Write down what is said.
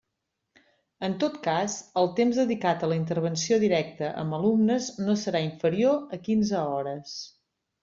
En tot cas, el temps dedicat a la intervenció directa amb alumnes no serà inferior a quinze hores.